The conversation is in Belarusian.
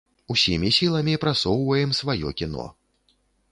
Усімі сіламі прасоўваем сваё кіно.